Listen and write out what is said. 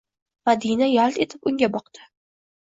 Madina yalt etib unga boqdi